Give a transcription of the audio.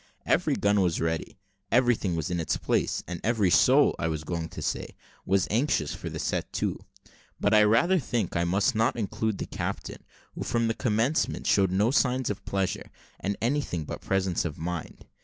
Every gun was ready, everything was in its place, and every soul, I was going to say, was anxious for the set to; but I rather think I must not include the captain, who from the commencement showed no signs of pleasure, and anything but presence of mind.